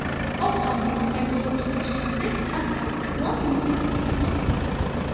ოქტომბრის რევოლუციის შემდეგ ტაძარი კვლავ მოქმედი იყო.